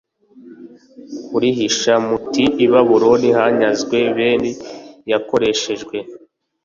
kurihisha muti I Babuloni hanyazwe Beli yakojejwe